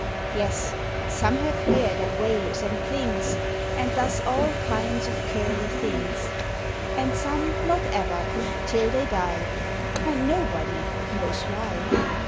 Yes, some have hair that waves and clings, And does all kinds of curly things; And some not ever, till they Die. And nobody knows Why....